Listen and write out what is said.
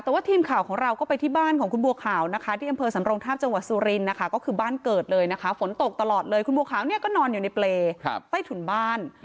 แต่ว่าทีมข่าวของเราก็ไปที่บ้านของคุณบัวขาวนะคะที่อำเภอสำรงทาบจังหวัดสุรินทร์นะคะก็คือบ้านเกิดเลยนะคะฝนตกตลอดเลยคุณบัวขาวเนี่ยก็นอนอยู่ในเปรย์ใต้ถุนบ้าน